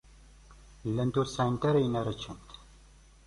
Llant ur sɛint ara ayen ara ččent.